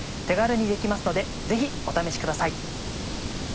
手軽にできますのでぜひお試しください。